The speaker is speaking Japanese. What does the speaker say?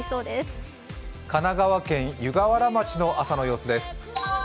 神奈川県湯河原町の朝の様子です。